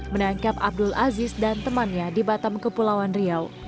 menangkap abdul aziz dan temannya di batam kepulauan riau